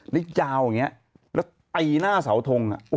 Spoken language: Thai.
แล้วเจ้าอย่างนี้แล้วตีหน้าสาวทง